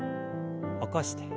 起こして。